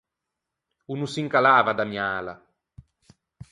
O no s’incallava d’ammiâla.